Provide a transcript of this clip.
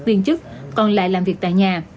viên chức còn lại làm việc tại nhà